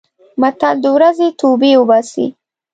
متل: د ورځې توبې اوباسي.